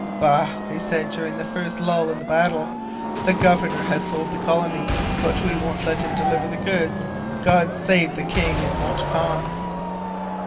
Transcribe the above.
'Bah!' they said during the first lull in the battle; 'the governor has sold the colony; but we won't let him deliver the goods! God save the King and Montcalm!'